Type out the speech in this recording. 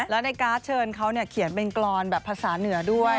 แล้วในการ์ดเชิญเขาเขียนเป็นกรอนแบบภาษาเหนือด้วย